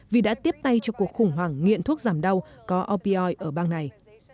vì đã tiếp tay cho cuộc khủng hoảng nghiện thuốc giảm đau có opio ở bang này